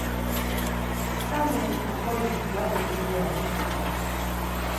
Skani oxoris gyari dulya mik ikoms?